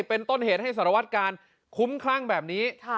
เป็นต้นเหตุให้สารวัตการคุ้มคลั่งแบบนี้